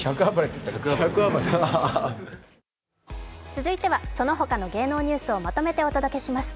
続いてはそのほかの芸能ニュースをまとめてお届けします